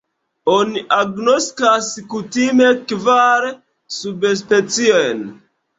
Oni agnoskas kutime kvar subspeciojn.